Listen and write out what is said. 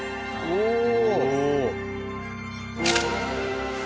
おお！